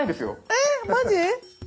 えっマジ？